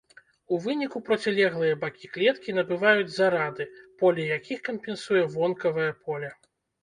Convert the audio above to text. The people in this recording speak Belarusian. У выніку процілеглыя бакі клеткі набываюць зарады, поле якіх кампенсуе вонкавае поле.